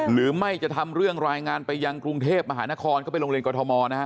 หรือไม่จะทำเรื่องรายงานไปยังกรุงเทพมหานครก็ไปโรงเรียนกรทมนะฮะ